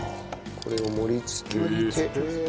これを盛りつけて。